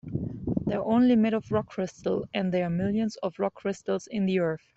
They're only made of rock crystal, and there are millions of rock crystals in the earth.